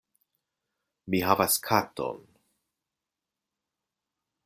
Mi havas katon.